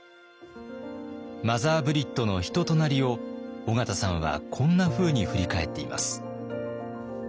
マザー・ブリットの人となりを緒方さんはこんなふうに振り返っています。